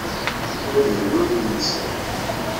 Ula d yiwen ur ten-yettir.